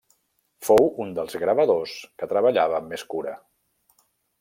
Fou un dels gravadors que treballava amb més cura.